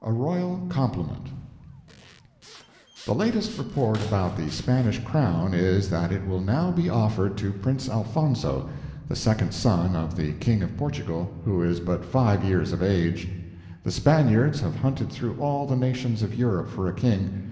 A ROYAL COMPLIMENT The latest report about the Spanish crown is, that it will now be offered to Prince Alfonso, the second son of the King of Portugal, who is but five years of age. The Spaniards have hunted through all the nations of Europe for a King.